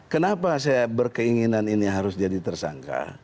kenapa saya berkeinginan ini harus jadi tersangka